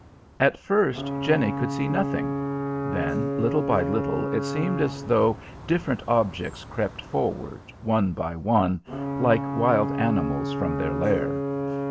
At first Jenny could see nothing. Then, little by little, it seemed as though different objects crept forward, one by one, like wild animals from their lair.